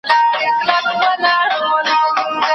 د قافیې په علم پوهېدل د شاعرۍ لپاره اړین دي.